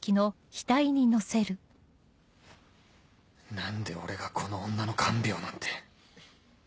何で俺がこの女の看病なんて